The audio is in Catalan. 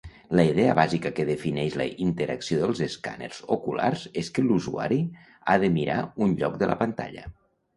La idea bàsica que defineix la interacció dels escàners oculars és que l'usuari ha de mirar un lloc de la pantalla.